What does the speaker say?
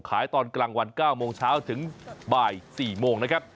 ตอนกลางวัน๙โมงเช้าถึงบ่าย๔โมงนะครับ